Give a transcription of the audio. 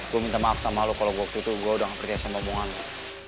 gue minta maaf sama lo kalau waktu itu gue udah gak kerja sama bung angga